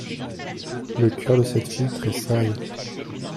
Le cœur de cette fille tressaille.